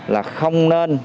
là không nên